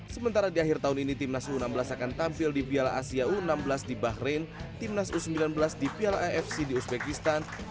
sementara di akhir tahun ini timnas u enam belas akan tampil di piala asia u enam belas di bahrain timnas u sembilan belas di piala afc di uzbekistan